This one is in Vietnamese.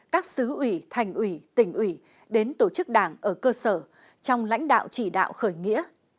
các xứ ủy thành ủy tỉnh ủy đến tổ chức đảng ở cơ sở trong lãnh đạo chỉ đạo khởi nghĩa